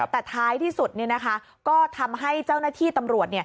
แต่ท้ายที่สุดก็ทำให้เจ้าหน้าที่ตำรวจ